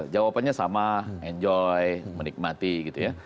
jawabannya sama enjoy menikmati gitu ya